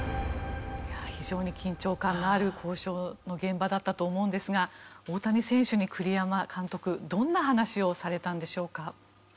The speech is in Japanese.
非常に緊張感のある交渉の現場だったと思うんですが大谷選手に栗山監督どんな話をされたんでしょうか？